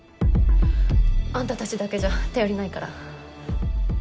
あんたたちだけじゃ頼りないから。